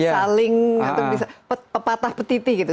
saling atau bisa pepatah petipi gitu